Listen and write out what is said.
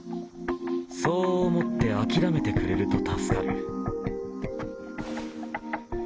そう思って諦めてくれると助かる。